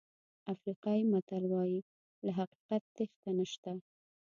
افریقایي متل وایي له حقیقت تېښته نشته.